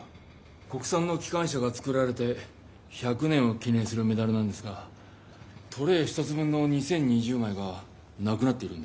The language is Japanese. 国さんのきかん車がつくられて１００年を記ねんするメダルなんですがトレー１つ分の２０２０枚がなくなっているんです。